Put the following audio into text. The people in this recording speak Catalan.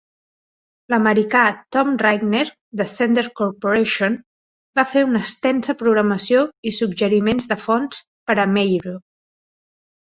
L'americà Tom Rickner d'Ascender Corporation va fer una extensa programació i suggeriments de fonts per a Meiryo.